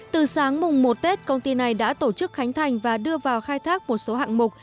từ sáng mùng một tết công ty này đã tổ chức khánh thành và đưa vào khai thác một số hạng mục